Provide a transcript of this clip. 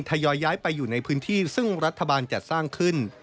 ยอยย้ายไปอยู่ในพื้นที่ซึ่งรัฐบาลจัดสร้างขึ้น